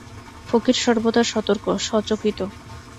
ফকির সর্বদা সতর্ক, সচকিত।